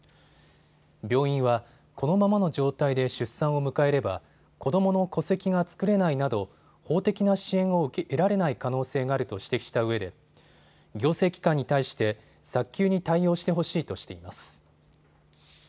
病院はこのままの状態で出産を迎えれば子どもの戸籍が作れないなど法的な支援を得られない可能性があると指摘したうえで行政機関に対して早急に対応してほしいとしています。